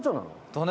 「だね」